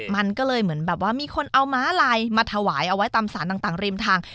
มันก็เลยเหมือนแบบว่ามีคนเอาม้าลายมาถวายเอาไว้ตามสารต่างริมทาง